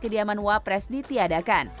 kediaman wapres ditiadakan